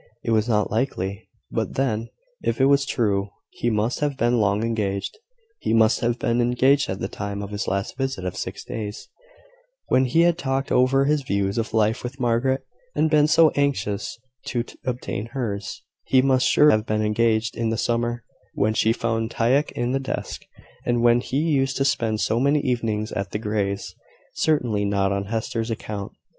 It was not likely: but then, if it was true, he must have been long engaged: he must have been engaged at the time of his last visit of six days, when he had talked over his views of life with Margaret, and been so anxious to obtain hers: he must surely have been engaged in the summer, when she found Tieck in the desk, and when he used to spend so many evenings at the Greys' certainly not on Hester's account.